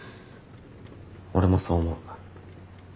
俺もそう思う。